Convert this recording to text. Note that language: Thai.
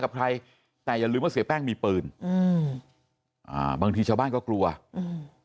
กับใครแต่อย่าลืมว่าเสียแป้งมีปืนอืมอ่าบางทีชาวบ้านก็กลัวอืม